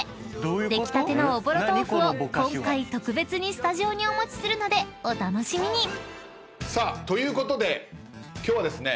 ［出来たてのおぼろ豆腐を今回特別にスタジオにお持ちするのでお楽しみに！］ということで今日はですね